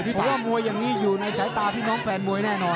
คิดว่ามวยอย่างนี้อยู่ในสายตาพี่น้องแฟนมวยแน่นอน